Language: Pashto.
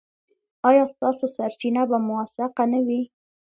ایا ستاسو سرچینه به موثقه نه وي؟